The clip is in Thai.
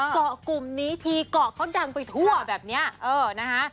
เกาะกลุ่มนี้ทีเกาะเขาดังไปทั่วแบบนี้เออนะคะ